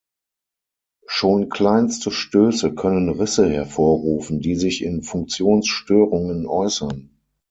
Schon kleinste Stöße können Risse hervorrufen, die sich in Funktionsstörungen äußern.